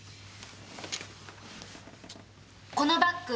このバッグ